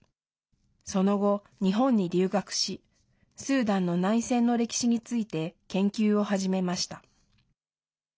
その後、日本に留学しスーダンの内戦の歴史について研究を始めました。